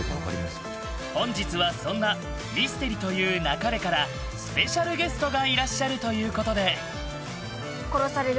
本日はそんな「ミステリと言う勿れ」からスペシャルゲストがいらっしゃるということで。